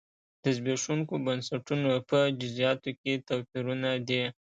د زبېښونکو بنسټونو په جزییاتو کې توپیرونه دي.